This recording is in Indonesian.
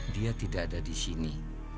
dia tidak ada disini